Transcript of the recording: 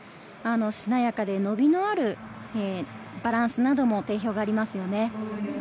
しなやかで伸びのあるバランスなども定評がありますね。